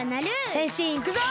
へんしんいくぞ！